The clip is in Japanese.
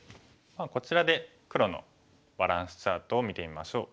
こちらで黒のバランスチャートを見てみましょう。